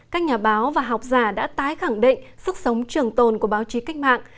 các nhà báo và học giả đã tái khẳng định sức sống trường tồn của báo chí cách mạng